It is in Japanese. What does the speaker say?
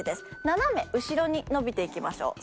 斜め後ろに伸びていきましょう。